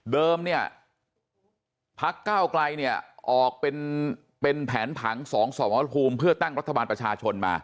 เนี่ยพักก้าวไกลเนี่ยออกเป็นแผนผัง๒สมรภูมิเพื่อตั้งรัฐบาลประชาชนมา